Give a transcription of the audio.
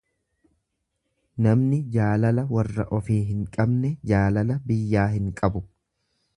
Namni jaalala warra ofii hin qabne jaalala biyyaa hin qabu.